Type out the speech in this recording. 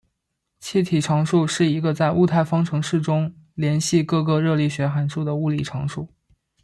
气体常数是一个在物态方程式中连系各个热力学函数的物理常数。